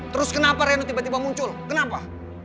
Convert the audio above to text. terus kenapa reno tiba tiba muncul kenapa